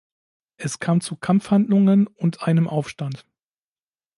Es kam zu Kampfhandlungen und einem Aufstand.